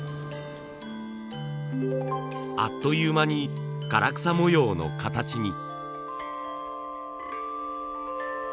あっという間に唐草模様の形に。